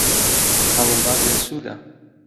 هەوڵدان بێسوودە.